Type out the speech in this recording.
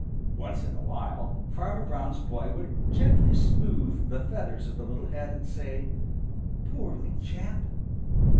Once in a while Farmer Brown's boy would gently smooth the feathers of the little head and say, "Poor little chap."